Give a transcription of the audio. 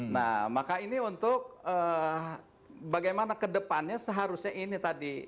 nah maka ini untuk bagaimana kedepannya seharusnya ini tadi